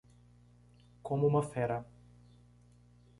Como uma fera